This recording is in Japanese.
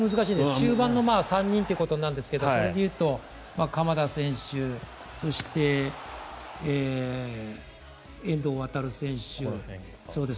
中盤の３人ということなんですがそれでいうと鎌田選手そして、遠藤航選手